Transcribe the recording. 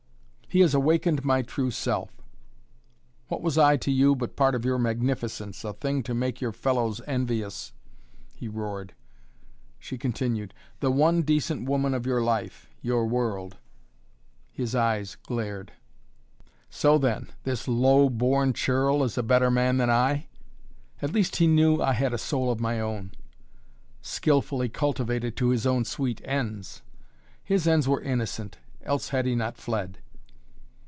"He has awakened my true self! What was I to you but part of your magnificence, a thing to make your fellows envious " He roared. She continued: "The one decent woman of your life your world " His eyes glared. "So then, this low born churl is a better man than I?" "At least he knew I had a soul of my own." "Skillfully cultivated to his own sweet ends." "His ends were innocent, else had he not fled."